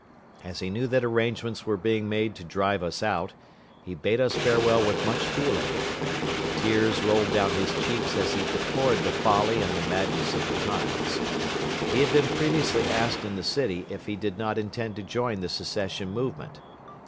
As he knew that arrangements were being made to drive us out, he bade us farewell with much feeling. The tears rolled down his cheeks as he deplored the folly and the madness of the times. He had been previously asked in the city if he did not intend to join the secession movement.